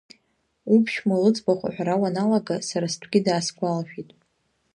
Уԥшәма лыӡбахә аҳәара уаналага, сара стәгьы даасгәалашәеит.